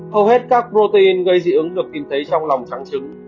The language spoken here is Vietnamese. hầu hết các protein gây dị ứng được tìm thấy trong lòng trắng trứng